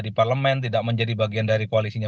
di parlemen tidak menjadi bagian dari koalisinya